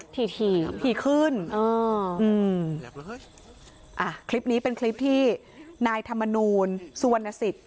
ถี่ขึ้นอ่าอืมอ่าคลิปนี้เป็นคลิปที่นายธรรมนูญสุวรรณสิต